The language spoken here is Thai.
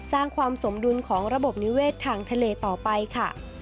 สร้างความสมดุลของระบบนิเวศทางทะเลต่อไปค่ะ